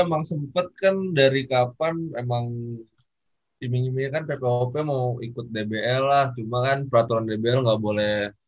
itu emang sempet kan dari kapan emang timnya timinya kan ppop mau ikut dbl lah cuma kan peraturan dbl gak boleh